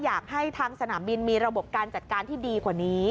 อยากให้ทางสนามบินมีระบบการจัดการที่ดีกว่านี้